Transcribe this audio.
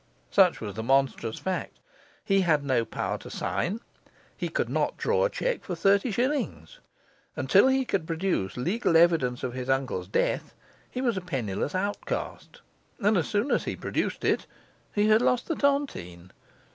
Such was the monstrous fact. He had no power to sign; he could not draw a cheque for thirty shillings. Until he could produce legal evidence of his uncle's death, he was a penniless outcast and as soon as he produced it he had lost the tontine!